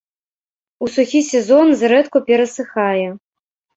У сухі сезон зрэдку перасыхае.